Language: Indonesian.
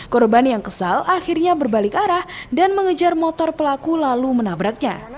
korban yang kesal akhirnya berbalik arah dan mengejar motor pelaku lalu menabraknya